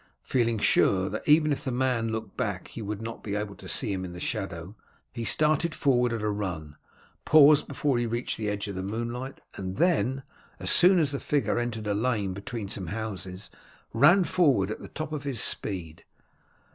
Feeling sure that even if the man looked back he would not be able to see him in the shadow, he started forward at a run, paused before he reached the edge of the moonlight, and then, as soon as the figure entered a lane between some houses, ran forward at the top of his speed.